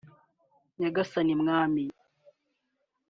nyagasani mwami